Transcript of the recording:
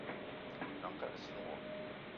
Gnong kalassina wo.